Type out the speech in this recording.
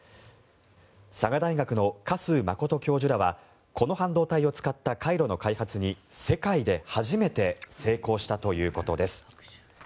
佐賀大学の嘉数誠教授らはこの半導体を使った回路の開発に世界で初めて成功したということです。